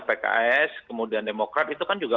pks kemudian demokrat itu kan juga